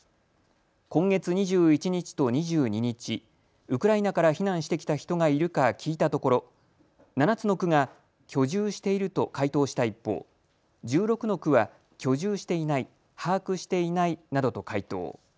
今月２１日と２２日、ウクライナから避難してきた人がいるから聞いたところ７つの区が居住していると回答した一方、１６の区は居住していない、把握していないなどと回答。